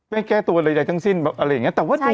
ไม่แก้ตัวในระยะทั้งสิ้นอะไรอย่างนี้